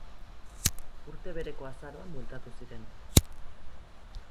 Urte bereko azaroan bueltatu ziren.